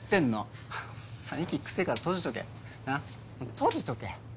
閉じとけ！